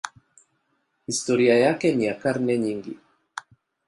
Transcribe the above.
Historia yake ni ya karne nyingi.